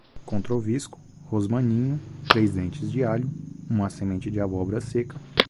com trovisco, rosmaninho, três dentes de alho, uma semente de abóbora seca